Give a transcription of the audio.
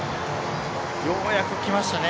ようやく来ましたね。